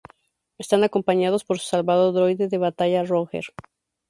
Están acompañados por su salvado droide de batalla Roger.